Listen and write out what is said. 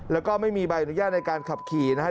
แล้วก็ไม่มีใบอนุญาตในการขับขี่นะครับ